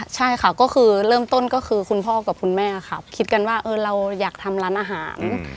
ใช่ค่ะก็คือเริ่มต้นก็คือคุณพ่อกับคุณแม่ครับคิดกันว่าเราอยากทำร้านอาหาร